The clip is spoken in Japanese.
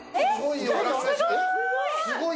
すごい！